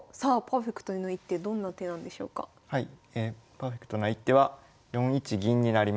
パーフェクトな一手は４一銀になります。